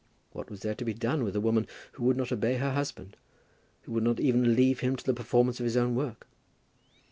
What was there to be done with a woman who would not obey her husband, who would not even leave him to the performance of his own work?